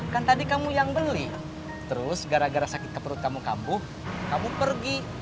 kan tadi kamu yang beli terus gara gara sakit ke perut kamu kambuh kamu pergi